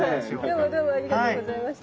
どうもどうもありがとうございました。